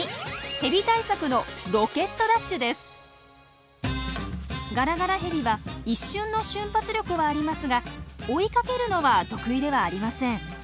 ヘビ対策のガラガラヘビは一瞬の瞬発力はありますが追いかけるのは得意ではありません。